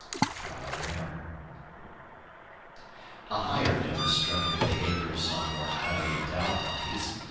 Trial and Error A higher note is struck in the behaviour of some more highly endowed monkeys.